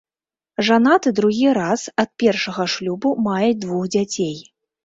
Жанаты другі раз, ад першага шлюбу мае двух дзяцей.